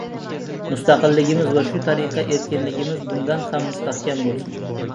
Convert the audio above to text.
Mustagiligimiz va shu tariqa erkinligimiz bundan ham mustahkam bo‘lsin!